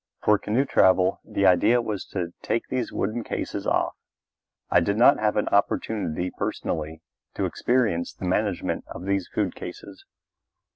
For canoe travel the idea was to take these wooden cases off. I did not have an opportunity personally to experience the management of these food cases.